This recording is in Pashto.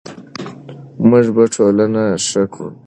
موږ به ټولنه ښه کړو.